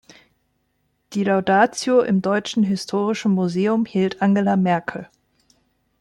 Die Laudatio im Deutschen Historischen Museum hielt Angela Merkel.